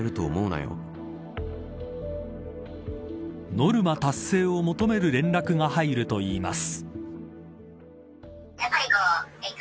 ノルマ達成を求める連絡が入るといいます。